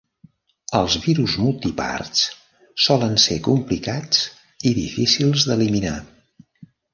Els virus multiparts solen ser complicats i difícils d'eliminar.